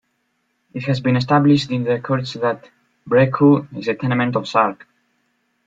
It has been established in the courts that Brecqhou is a "tenement" of Sark.